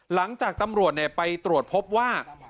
หลังจากตำรวจไปตรวจพบว่า